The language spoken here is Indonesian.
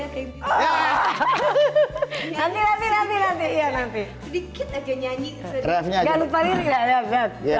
kan masih banyak juga orang orang yang menikmati